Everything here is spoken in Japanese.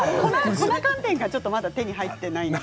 粉寒天がまだ手に入っていないので。